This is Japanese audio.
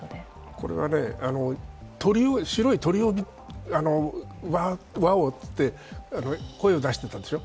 これは白い鳥がワオッて声を出していたでしょう。